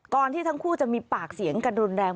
ที่ทั้งคู่จะมีปากเสียงกันรุนแรง